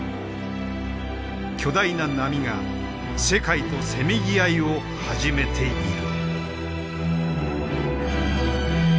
巨大な波が世界とせめぎ合いを始めている。